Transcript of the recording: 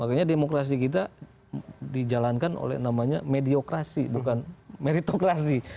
makanya demokrasi kita dijalankan oleh namanya mediokrasi bukan meritokrasi